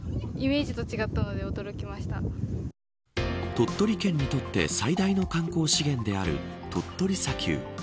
鳥取県にとって最大の観光資源である鳥取砂丘。